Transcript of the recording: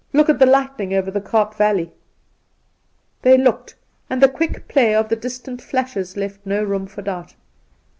Look at the lightning over the Kaap Valley !' They looked, and the quick play of the distant flashes left no room for doubt.